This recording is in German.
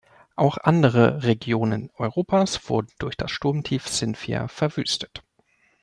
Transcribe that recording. Auch andere Regionen Europas wurden durch das Sturmtief Xynthia verwüstet.